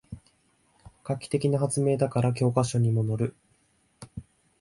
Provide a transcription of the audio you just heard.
画期的な発明だから教科書にものる